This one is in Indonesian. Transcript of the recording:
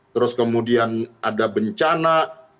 terus kemudian ada bencana